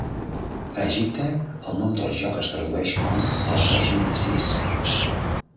A Egipte, el nom del joc es tradueix com "El gos indecís".